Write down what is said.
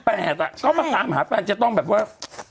ก็มาตามหาแฟนจะต้องแบบว่า